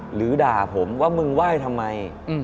หรือด่าผมว่ามึงไหว้ทำไม